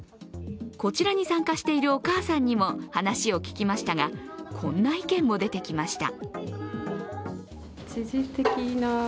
こちらに参加しているお母さんにも話を聞きましたが、こんな意見も出てきました。